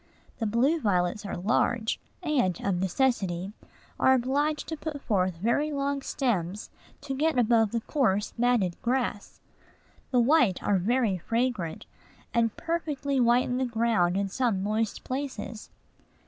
The blue violets are large, and, of necessity, are obliged to put forth very long stems to get above the coarse, matted grass. The white are very fragrant, and perfectly whiten the ground in some moist places.